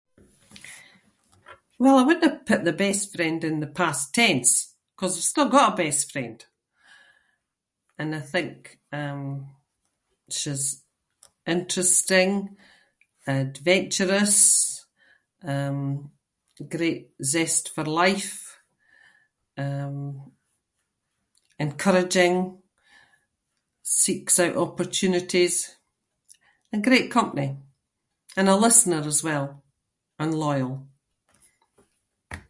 Well I wouldnae put the best friend in the past tense ‘cause I’ve still got a best friend and I think, um, she’s interesting, adventurous, um, great zest for life, um, encouraging, seeks out opportunities, and great company. And a listener as well, and loyal.